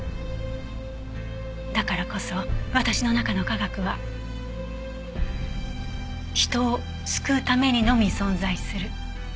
だからこそ私の中の科学は人を救うためにのみ存在する。